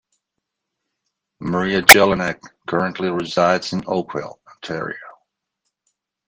Maria Jelinek currently resides in Oakville, Ontario.